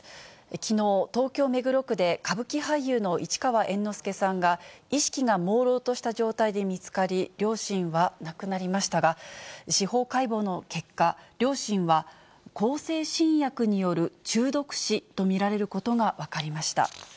きのう、東京・目黒区で歌舞伎俳優の市川猿之助さんが意識がもうろうとした状態で見つかり、両親は亡くなりましたが、司法解剖の結果、両親は向精神薬による中毒死と見られることが分かりました。